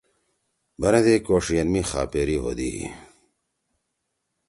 بنَدی کوݜئین می خاپری ہودی۔